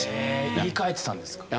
言い換えてたんですか？